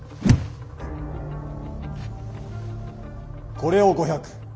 これを５００。